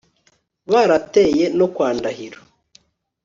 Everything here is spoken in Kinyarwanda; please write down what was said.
Barateye no kwa Ndahiro